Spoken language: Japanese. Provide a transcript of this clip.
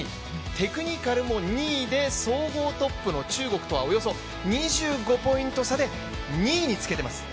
テクニカルも２位で、総合トップの中国とはおよそ２５ポイント差で２位につけています。